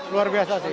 luar biasa sih